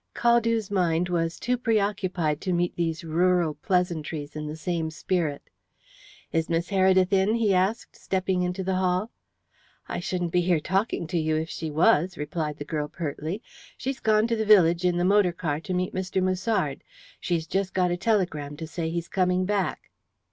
Caldew's mind was too preoccupied to meet these rural pleasantries in the same spirit. "Is Miss Heredith in?" he asked, stepping into the hall. "I shouldn't be here talking to you if she was," replied the girl pertly. "She's gone to the village in the motorcar to meet Mr. Musard. She's just got a telegram to say he's coming back."